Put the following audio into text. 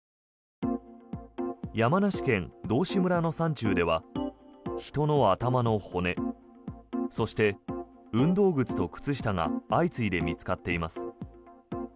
山梨県道志村の山中では人の頭の骨そして、運動靴と靴下が相次いで見つかっています。